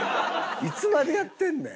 いつまでやってんねん。